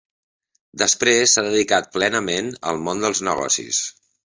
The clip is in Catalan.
Després s'ha dedicat plenament al món dels negocis.